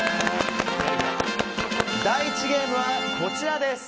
第１ゲームは、こちらです。